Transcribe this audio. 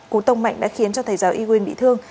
cũng tông mạnh đã khiến cho thầy giáo y quyên bị thương